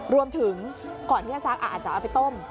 รวมถึงก่อนที่จะซักอาจจะเอาไปต้ม